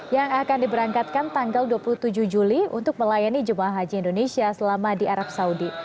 yang akan diberangkatkan tanggal dua puluh tujuh juli untuk melayani jemaah haji indonesia selama di arab saudi